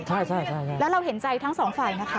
ใช่แล้วเราเห็นใจทั้งสองฝ่ายนะคะ